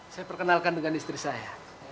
saya perkenalkan dengan istri saya